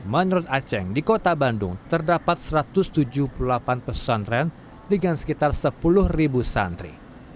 menurut aceh di kota bandung terdapat satu ratus tujuh puluh delapan pesantren dengan sekitar sepuluh santri